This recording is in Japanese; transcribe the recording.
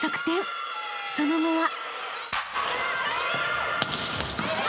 ［その後は］